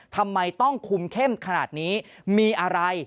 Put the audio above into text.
ทำไมต้องคุมเข้มขนาดนี้มีอะไร